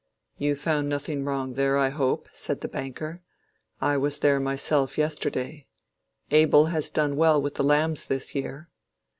"You found nothing wrong there, I hope," said the banker; "I was there myself yesterday. Abel has done well with the lambs this year."